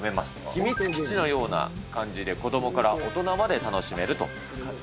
秘密基地のような感じで、子どもから大人まで楽しめると。